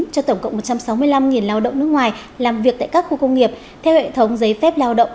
cho tổng cộng một trăm sáu mươi năm lao động nước ngoài làm việc tại các khu công nghiệp theo hệ thống giấy phép lao động